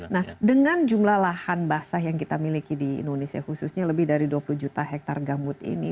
nah dengan jumlah lahan basah yang kita miliki di indonesia khususnya lebih dari dua puluh juta hektare gambut ini